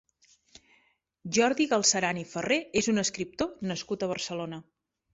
Jordi Galceran i Ferrer és un escriptor nascut a Barcelona.